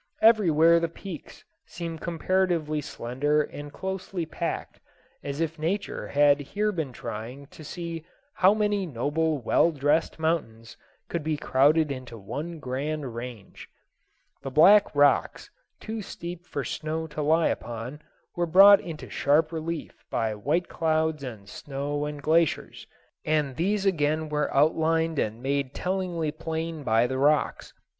Everywhere the peaks seem comparatively slender and closely packed, as if Nature had here been trying to see how many noble well dressed mountains could be crowded into one grand range. The black rocks, too steep for snow to lie upon, were brought into sharp relief by white clouds and snow and glaciers, and these again were outlined and made tellingly plain by the rocks.